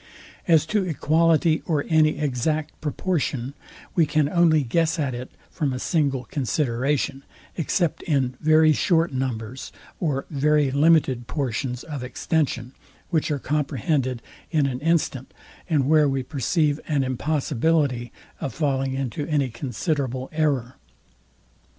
As to equality or any exact proportion, we can only guess at it from a single consideration; except in very short numbers, or very limited portions of extension; which are comprehended in an instant, and where we perceive an impossibility of falling into any considerable error.